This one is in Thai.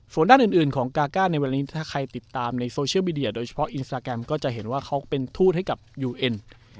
ส่วนด้านอื่นของกาก้าในวันนี้ถ้าใครติดตามในโซเชียลมีเดียโดยเฉพาะอินสตาแกรมก็จะเห็นว่าเขาเป็นทูตให้กับยูเอ็น